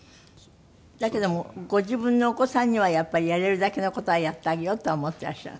だけどもご自分のお子さんにはやっぱりやれるだけの事はやってあげようと思ってらっしゃる？